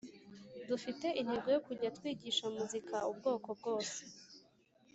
dufite intego yo kujya twigisha muzika ubwoko bwose